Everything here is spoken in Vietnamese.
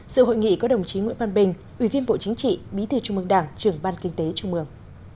sự hội nghị có đồng chí nguyễn văn bình ủy viên bộ chính trị bí thư trung mương đảng trưởng ban kinh tế trung mương